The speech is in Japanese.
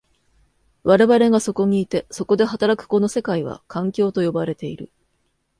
我々がそこにいて、そこで働くこの世界は、環境と呼ばれている。